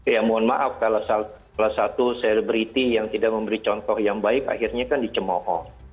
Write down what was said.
ya mohon maaf kalau salah satu selebriti yang tidak memberi contoh yang baik akhirnya kan dicemohon